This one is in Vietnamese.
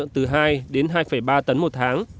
từ hai đến hai ba tấn một tháng